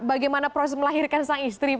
bagaimana proses melahirkan sang istri